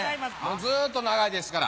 もうずっと長いですから。